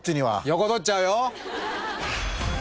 横取っちゃうよ。